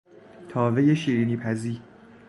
تاوهی شیرینی پزی